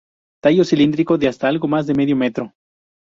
Tallo cilíndrico de hasta algo más de medio metro.